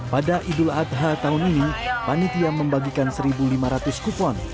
pada idul adha tahun ini panitia membagikan satu lima ratus kupon